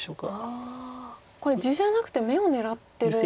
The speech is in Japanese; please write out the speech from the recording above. ああこれ地じゃなくて眼を狙ってるんですか。